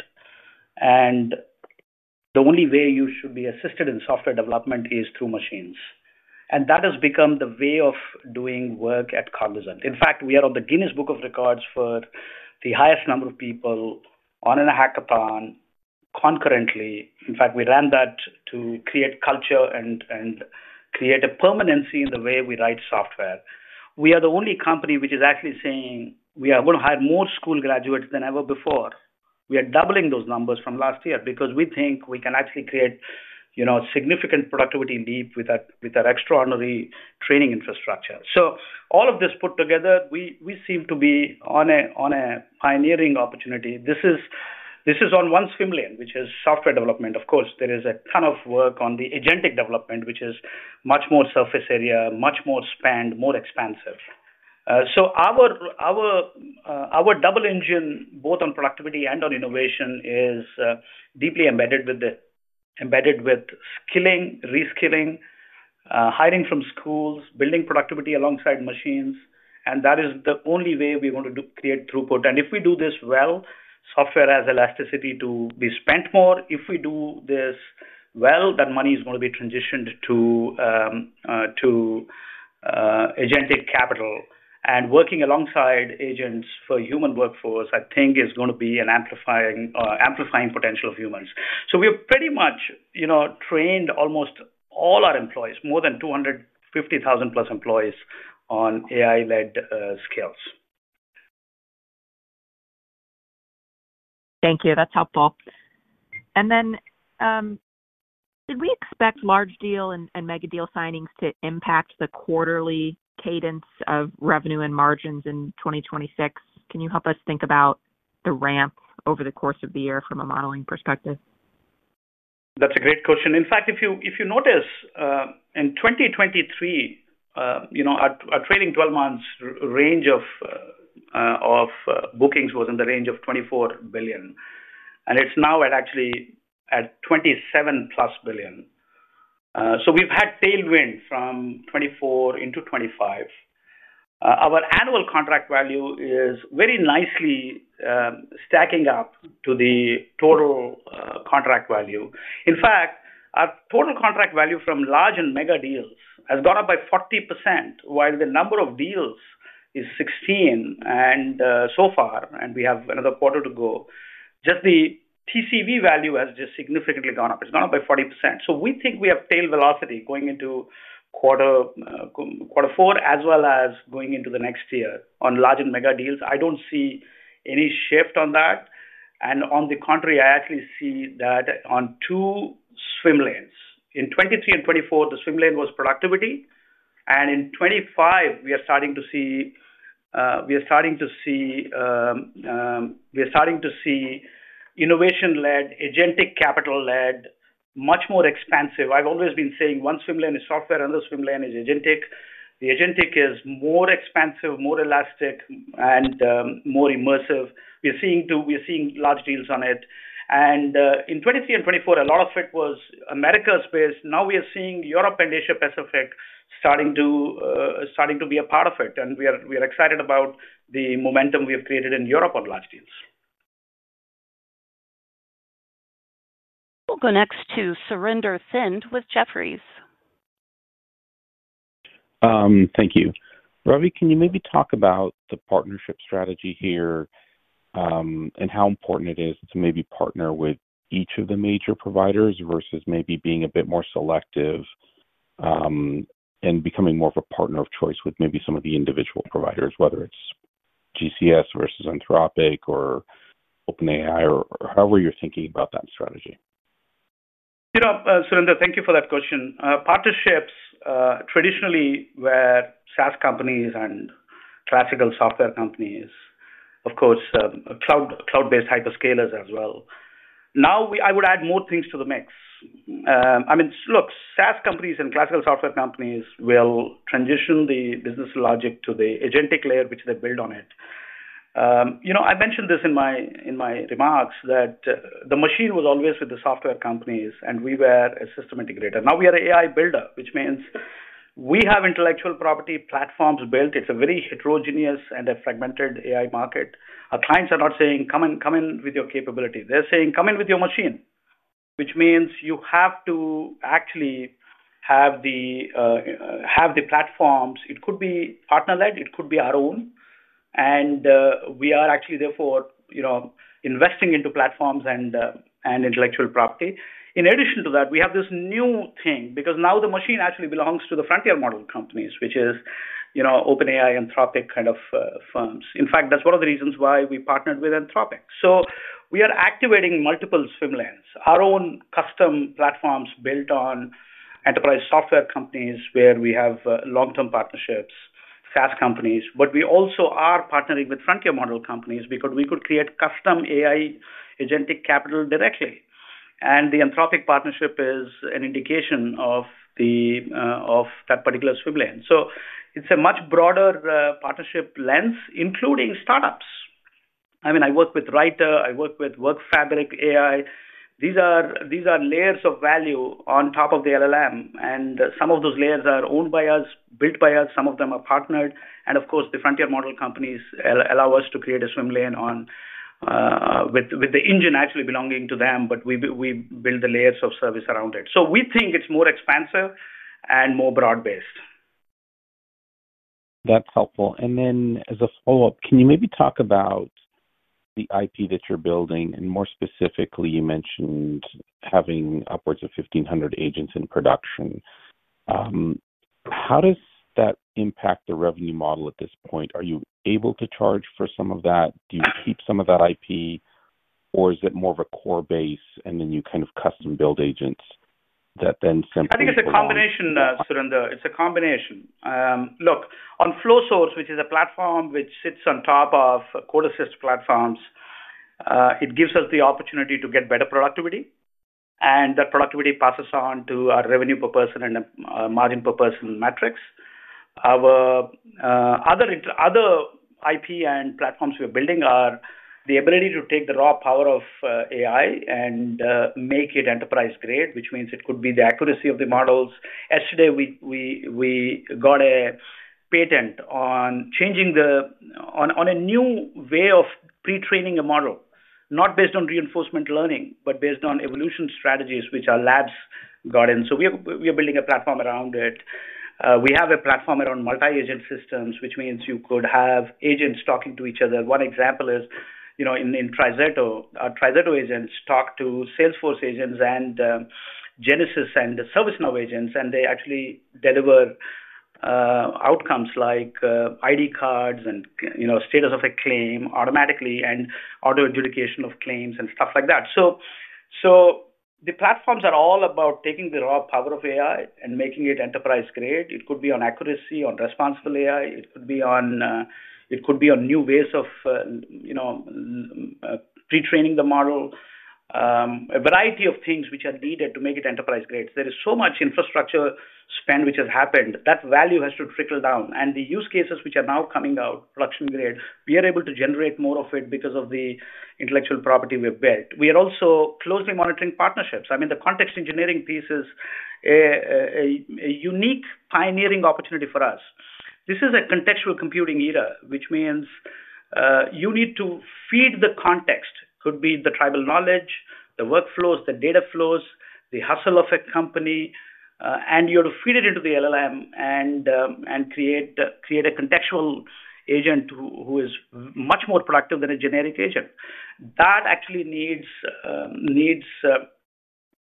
and the only way you should be assisted in software development is through machines. That has become the way of doing work at Cognizant Technology Solutions. In fact, we are on the Guinness World Records for the highest number of people on a hackathon concurrently. We ran that to create culture and create a permanency in the way we write software. We are the only company which is actually saying we are going to hire more school graduates than ever before. We are doubling those numbers from last year because we think we can actually create significant productivity leap with our extraordinary training infrastructure. All of this put together, we seem to be on a pioneering opportunity. This is on one swim lane, which is software development. Of course, there is a ton of work on the agentic development, which is much more surface area, much more spanned, more expansive. Our double engine both on productivity and on innovation is deeply embedded with skilling, reskilling, hiring from schools, building productivity alongside machines. That is the only way we want to create throughput. If we do this well, software has elasticity to be spent more. If we do this well, that money is going to be transitioned to agented capital. Working alongside agents for human workforce, I think, is going to be an amplifying potential of humans. We have pretty much trained almost all our employees, more than 250,000 plus employees, on AI-led skills. Thank you, that's helpful. Did we expect large deal and megadeal signings to impact the quarterly cadence of revenue and margins in 2026? Can you help us think about the ramp over the course of the year from a modeling perspective? That's a great question. In fact, if you notice in 2023 our trailing 12 months range of bookings was in the range of $24 billion and it's now actually at $27 plus billion. We've had tailwind from $24 into $25. Our annual contract value is very nicely stacking up to the total contract value. In fact, our total contract value from large and mega deals has gone up by 40% while the number of deals is 16, and we have another quarter to go. Just the TCV value has significantly gone up, it's gone up by 40%. We think we have tail velocity going into. Quarter four as well. Going into the next year on large and mega deals, I don't see any shift on that. On the contrary, I actually see that on two swim lanes in 2023 and 2024, the swim lane was productivity. In 2025, we are starting to see innovation-led, agentic capital-led, much more expansive. I've always been saying one swim lane is software, another swim lane is agentic. The agentic is more expensive, more elastic, and more immersive. We're seeing large deals on it. In 2023 and 2024, a lot of it was America space. Now we are seeing Europe and Asia Pacific starting to be a part of it, and we are excited about the momentum we have created in Europe on large deals. We'll go next to Surinder Thind with Jefferies. Thank you, Ravi. Can you maybe talk about the partnership strategy here and how important it is to maybe partner with each of the major providers versus maybe being a bit more selective and becoming more of a partner of choice with maybe some of the individual providers, whether it's Google Cloud versus Anthropic or OpenAI or however you're thinking about that strategy. Thank you for that question. Partnerships traditionally were SaaS companies and classical software companies. Of course, cloud-based hyperscalers as well. Now I would add more things to the mix. SaaS companies and classical software companies will transition the business logic to the agentic layer which they build on it. I mentioned this in my remarks that the machine was always with the software companies and we were a system integrator. Now we are AI builder, which means we have intellectual property platforms built. It's a very heterogeneous and a fragmented AI market. Our clients are not saying come in with your capability, they're saying come in with your machine, which means you have to actually have the platforms. It could be partner-led, it could be our own. We are actually therefore investing into platforms and intellectual property. In addition to that, we have this new thing because now the machine actually belongs to the frontier model companies, which is OpenAI, Anthropic kind of firms. In fact, that's one of the reasons why we partnered with Anthropic. We are activating multiple swim lanes, our own custom platforms built on enterprise software companies where we have long-term partnerships, SaaS companies. We also are partnering with frontier model companies because we could create custom AI agentic capital directly, and the Anthropic partnership is an indication of that particular swim lane. It's a much broader partnership lens including startups. I work with Rytr, I work with Workfabric AI. These are layers of value on top of the LLM, and some of those layers are owned by us, built by us, some of them are partnered. Of course, the frontier model companies allow us to create a swim lane with the engine actually belonging to them, but we build the layers of service around it. We think it's more expansive and more broad-based. That's helpful. As a follow up, can you maybe talk about the IP that you're building and more specifically you mentioned having upwards of 1,500 agents in production. How does that impact the revenue model at this point? Are you able to charge for some of that? Do you keep some of that IP, or is it more of a core base and then you kind of custom build agents that then simply. I think it's a combination, Surinder. It's a combination. Look, on FlowSource, which is a platform which sits on top of code assist platforms, it gives us the opportunity to get better productivity, and that productivity passes on to our revenue per person and margin per person matrix. Our other IP and platforms we're building are the ability to take the raw power of AI and make it enterprise grade, which means it could be the accuracy of the models. Yesterday, we got a patent on changing on a new way of pre-training a model, not based on reinforcement learning but based on evolution strategies, which our labs got in. We are building a platform around it. We have a platform around multi-agent systems, which means you could have agents talking to each other. One example is in TriZetto. Our TriZetto agents talk to Salesforce agents and Genesys and the ServiceNow agents, and they actually deliver outcomes like ID cards and status of a claim automatically and auto adjudication of claims, names, and stuff like that. The platforms are all about taking the raw power of AI and making it enterprise grade. It could be on accuracy, on responsible AI, it could be on new ways. Of. Pre-training the model, a variety of things which are needed to make it enterprise grade. There is so much infrastructure spend which has happened that value has to trickle down. The use cases which are now coming out are production grade. We are able to generate more of it because of the intellectual property we've built. We are also closely monitoring partnerships. I mean, the context engineering piece is a unique pioneering opportunity for us. This is a contextual computing era, which means you need to feed the context, could be the tribal knowledge, the workflows, the data flows, the hustle of a company, and you have to feed it into the LLM and create a contextual agent who is much more productive than a generic agent that actually needs.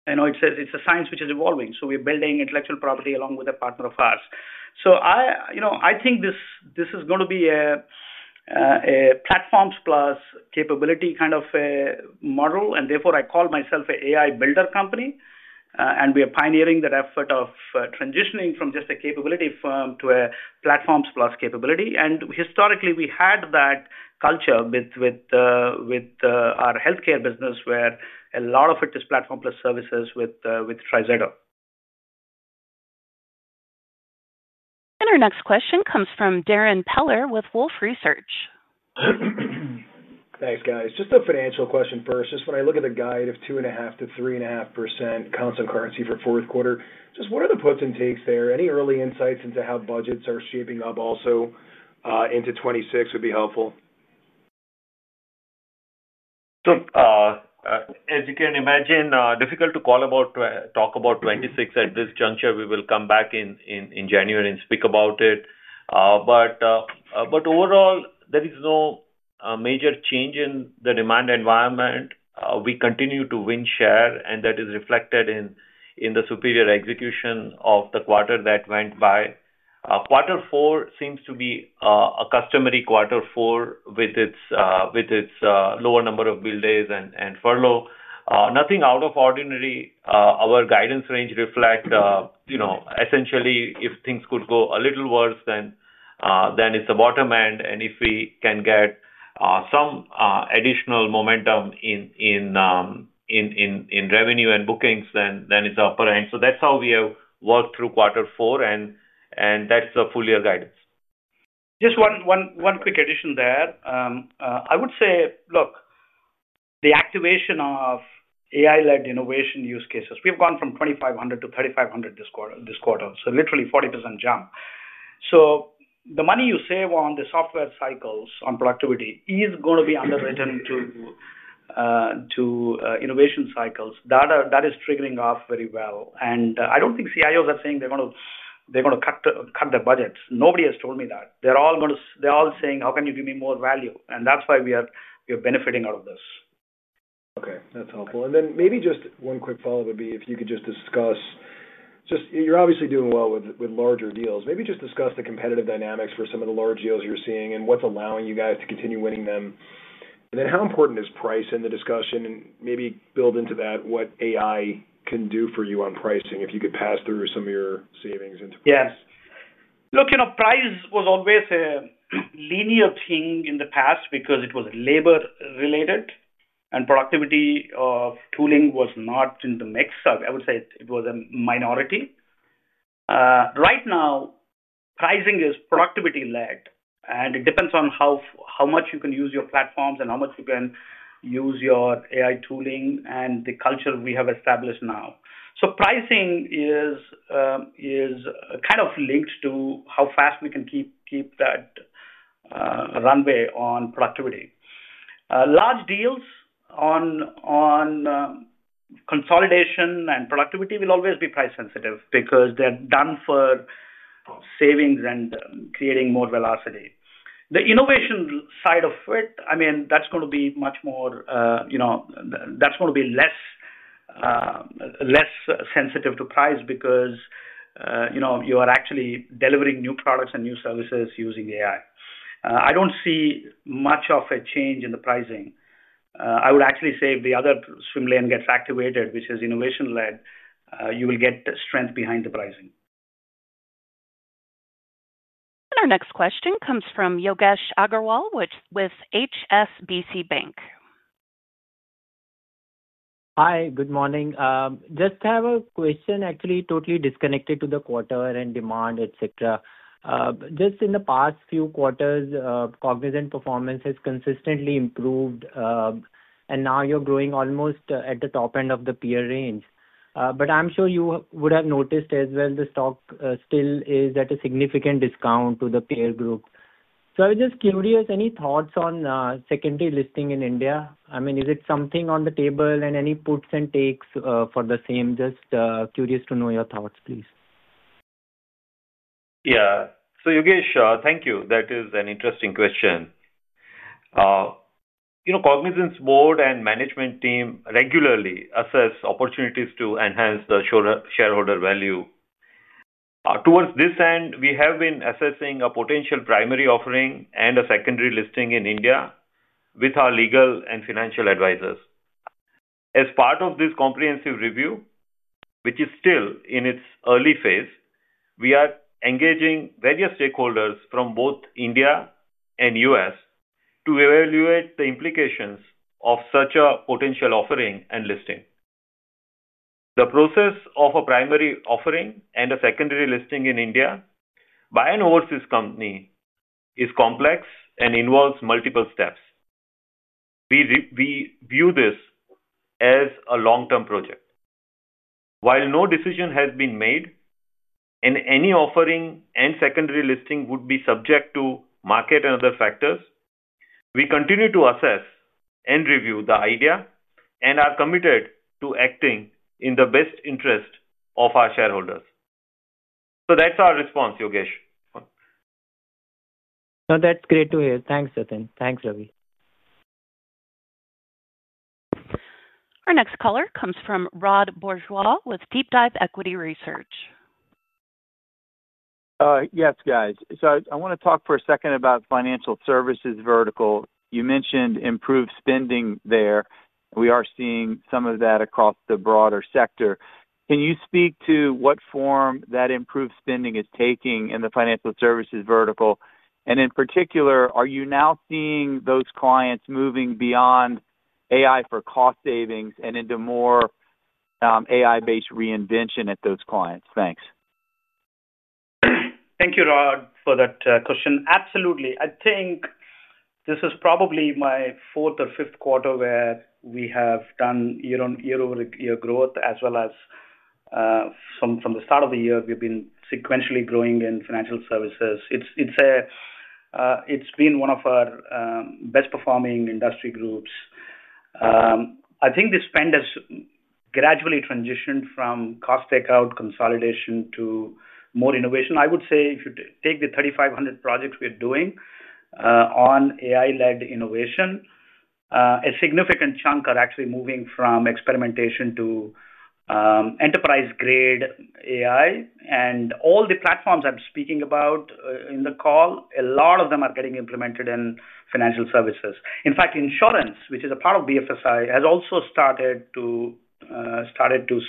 It's a science which is evolving. We're building intellectual property along with a partner of ours. I think this is going to be a platforms plus capability kind of model, and therefore I call myself an AI builder company. We are pioneering that effort of transitioning from just a capability firm to a platforms plus capability. Historically, we had that culture with our healthcare business where a lot of it is platform plus services with TriZetto. Our next question comes from Darrin Peller with Wolfe Research. Thanks, guys. Just a financial question first. When I look at the guide of 2.5%-3.5% constant currency for the fourth quarter, what are the puts and takes there? Any early insights into how budgets are shaping up also into 2026 would be helpful. As you can imagine, difficult to talk about 2026 at this juncture. We will come back in January and speak about it. Overall, there is no major change in the demand environment. We continue to win share, and that is reflected in the superior execution of the quarter that went by. Quarter four seems to be a customary quarter four with its lower number of billed days and furlough. Nothing out of the ordinary. Our guidance range reflects essentially if things could go a little worse, then it's the bottom end, and if we can get some additional momentum in revenue and bookings, then it's the upper end. That's how we have worked through quarter four, and that's the full year guidance. Just one quick addition there, I would say look, the activation of AI-led innovation use cases. We've gone from 2,500-3,500 this quarter, so literally a 40% jump. The money you save on the software cycles on productivity is going to be underwritten to innovation cycles that is triggering off very well. I don't think CIOs are saying they're going to cut their budgets. Nobody has told me that. They're all saying how can you give me more value? That's why we are benefiting out of this. Okay, that's helpful. Maybe just one quick follow up would be if you could just discuss, you're obviously doing well with larger deals. Maybe just discuss the competitive dynamics for some of the large deals you're seeing and what's allowing you guys to continue winning them and then how important is price in the discussion and maybe build into that what AI can do for you on pricing if you could pass through some of your savings into. Yes, look, price was always a linear thing in the past because it was labor related and productivity of tooling was not in the mix. I would say it was a minority. Right now pricing is productivity-led and it depends on how much you can use your platforms and how much you can use your AI tooling and the culture we have established now. Pricing is kind of linked to how fast we can keep that runway on productivity. Large deals on consolidation and productivity will always be price sensitive because they're done for savings and creating more velocity. The innovation side of it, I mean that's going to be much more, you know, that's going to be less, less sensitive to price because you know you are actually delivering new products and new services using AI. I don't see much of a change in the pricing. I would actually say if the other swim lane gets activated which is innovation-led, you will get strength behind the pricing. Our next question comes from Yogesh Aggarwal with HSBC Bank. Hi, good morning. I just have a question, actually totally disconnected to the quarter and demand, etc. In the past few quarters, Cognizant Technology Solutions performance has consistently improved and now you're growing almost at the top end of the peer range. I'm sure you would have noticed as well the stock still is at a significant discount to the peer group. I was just curious, any thoughts on secondary listing in India? Is it something on the table and any puts and takes for the same? Just curious to know your thoughts, please. Yeah. Yogesh, thank you. That is an interesting question. Cognizant Technology Solutions' board and management team regularly assess opportunities to enhance shareholder value. Towards this end, we have been assessing a potential primary offering and a secondary listing in India with our legal and financial advisors. As part of this comprehensive review, which is still in its early phase, we are engaging various stakeholders from both India and the U.S. to evaluate the implications of such a potential offering and listing. The process of a primary offering and a secondary listing in India by an overseas company is complex and involves multiple steps. We view this as a long-term project. While no decision has been made and any offering and secondary listing would be subject to market and other factors, we continue to assess and review the idea and are committed to acting in the best interest of our shareholders. That's our response, Yogesh. That's great to hear. Thanks Jatin. Thanks Ravi. Our next caller comes from Rod Bourgeois with Deep Dive Equity Research. Yes, I want to talk for a second about the financial services vertical. You mentioned improved spending there. We are seeing some of that across the broader sector. Can you speak to what form that improved spending is taking in the financial services vertical? In particular, are you now seeing those clients moving beyond AI for cost savings and into more AI-based reinvention at those clients? Thanks. Thank you, Rod, for that question. Absolutely. I think this is probably my fourth or fifth quarter where we have done year-over-year growth as well as from the start of the year we've been sequentially growing in financial services. It's been one of our best performing industry groups. I think this spend has gradually transitioned from cost takeout consolidation to more innovation. I would say if you take the 3,500 projects we're doing on AI-led innovation, a significant chunk are actually moving from experimentation to enterprise-grade AI. All the platforms I'm speaking about in the call, a lot of them are getting implemented in financial services. In fact, insurance, which is a part of BFSI, has also started to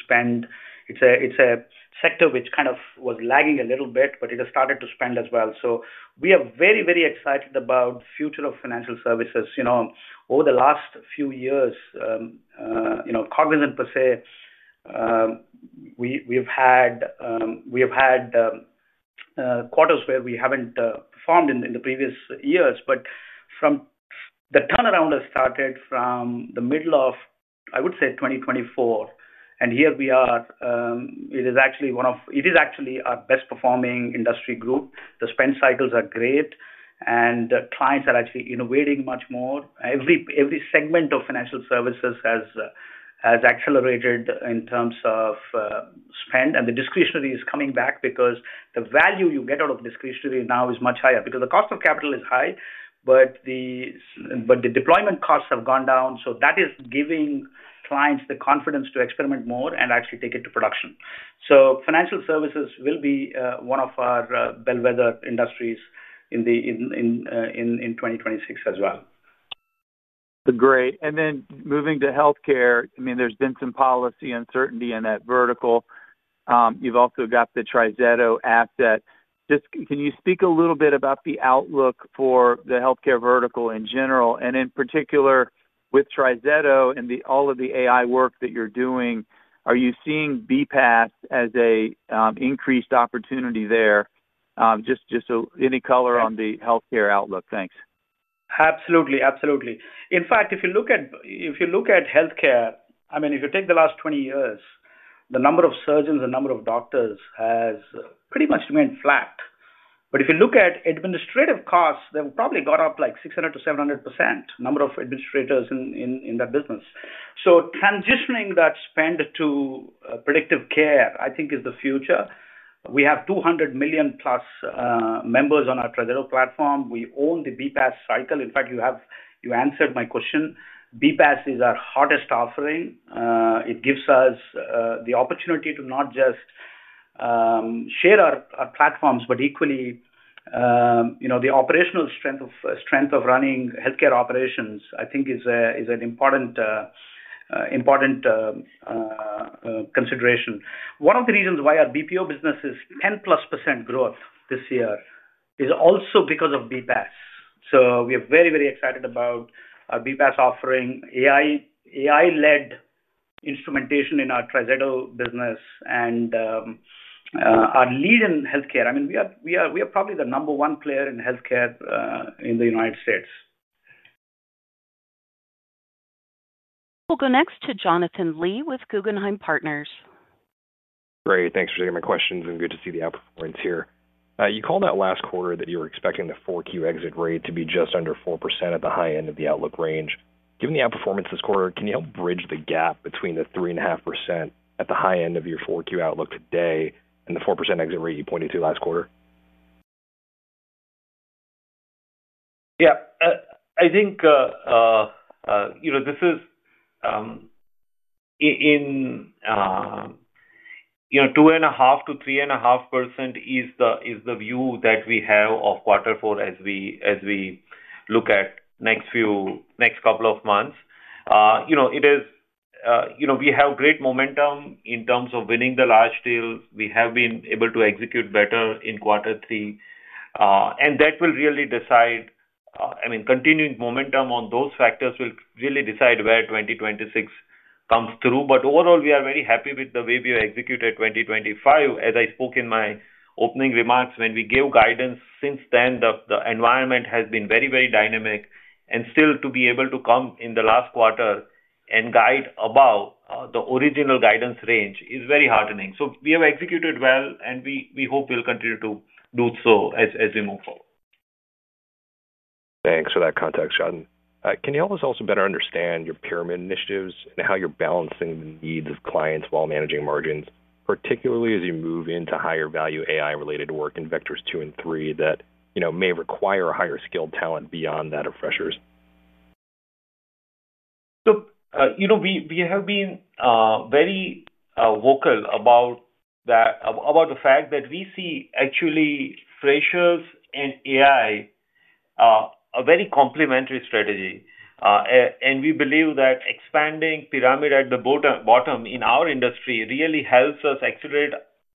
spend. It's a sector which kind of was lagging a little bit, but it has started to spend as well. We are very, very excited about the future of financial services. Over the last few years, Cognizant per se, we have had quarters where we haven't performed in the previous years, but the turnaround has started from the middle of, I would say, 2024 and here we are, it is actually our best performing industry group. The spend cycles are great and clients are actually innovating much more. Every segment of financial services has accelerated in terms of spend and the discretionary is coming back because the value you get out of discretionary now is much higher because the cost of capital is high, but the deployment costs have gone down. That is giving clients the confidence to experiment more and actually take it to production. Financial services will be one of our bellwether industries in 2026 as well. Great. Moving to healthcare, there's been some policy uncertainty in that vertical. You've also got the TriZetto asset. Can you speak a little bit about the outlook for the healthcare vertical in general and in particular with TriZetto and all of the AI work that you're doing? Are you seeing BPO as an increased opportunity there? Any color on the healthcare outlook? Thanks. Absolutely, absolutely. In fact, if you look at healthcare, I mean if you take the last 20 years, the number of surgeons and number of doctors has pretty much remained flat. If you look at administrative costs, they've probably gone up like 600%-700%. Number of administrators in that business. Transitioning that spend to predictive care I think is the future. We have 200 million plus members on our TriZetto platform. We own the BPaaS cycle. In fact, you answered my question. BPaaS is our hottest offering. It gives us the opportunity to not just share our platforms but equally the operational strength of running healthcare operations. I think is an important consideration. One of the reasons why our BPO business is 10+% growth this year is also because of BPaaS. We are very, very excited about BPaaS offering AI-led instrumentation in our TriZetto business and our lead in healthcare. I mean we are probably the number one player in healthcare in the United States. We'll go next to Jonathan Lee with Guggenheim Partners. Great. Thanks for taking my questions and good to see the outperformance here. You called out last quarter that you were expecting the 4Q exit rate to be just under 4% at the high end of the outlook range. Given the outperformance this quarter, can you help bridge the gap between the 3.5% at the high end of your 4Q outlook today and the 4% exit rate you pointed to last quarter? I think this is. In. You know, 2.5%-3.5% is the view that we have of quarter four as we look at the next few, next couple of months. You know, we have great momentum in terms of winning the large deal. We have been able to execute better in quarter three, and that will really decide, I mean, continuing momentum on those factors will really decide where 2026 comes through. Overall, we are very happy with the way we executed 2025. As I spoke in my opening remarks when we gave guidance, since then the environment has been very, very dynamic, and still to be able to come in the last quarter and guide above the original guidance range is very heartening. We have executed well, and we hope we'll continue to do so as we move forward. Thanks for that context. Can you help us also better understand your pyramid initiatives and how you're balancing the needs of clients while managing margins, particularly as you move into higher value AI-related work in vectors 2 and 3 that may require higher skilled talent beyond that of freshers? We have been very vocal about the fact that we see actually thracias and AI a very complementary strategy, and we believe that expanding pyramid at the bottom in our industry really helps us accelerate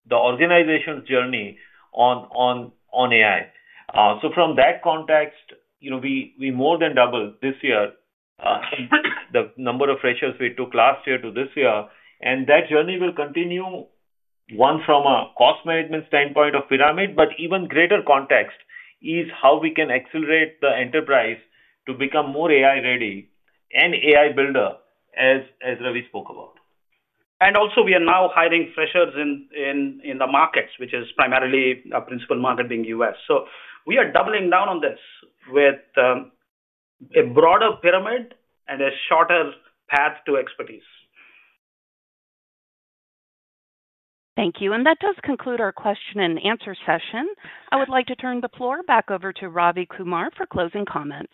the organization's journey on AI. From that context, we more than doubled this year the number of thresholds we took last year to this year, and that journey will continue. One from a cost management standpoint of pyramid, but even greater context is how we can accelerate the enterprise to become more AI ready and AI builder as Ravi spoke about. We are now hiring freshers in the markets, which is primarily a principal market being the U.S. We are doubling down on this. With a broader pyramid and a shorter path to expertise. Thank you. That does conclude our question and answer session. I would like to turn the floor back over to Ravi Kumar for closing comments.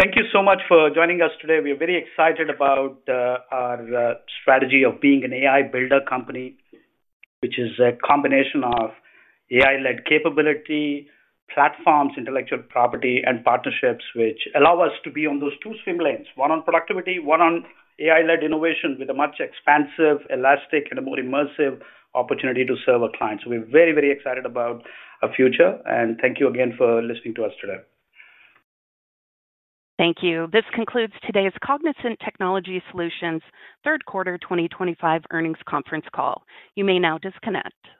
Thank you so much for joining us today. We are very excited about our strategy of being an AI builder company, which is a combination of AI-led capability, platforms, intellectual property, and partnerships, which allow us to be on those two swim lanes: one on productivity, one on AI-led innovation, with a much more expansive, elastic, and immersive opportunity to serve our clients. We're very, very excited about our future, and thank you again for listening to us today. Thank you. This concludes today's Cognizant Technology Solutions third quarter 2025 earnings conference call. You may now disconnect.